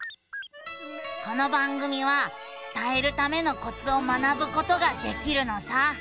この番組は伝えるためのコツを学ぶことができるのさ。